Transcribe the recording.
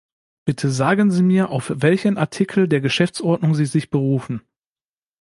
Bitte sagen Sie mir, auf welchen Artikel der Geschäftsordnung Sie sich berufen.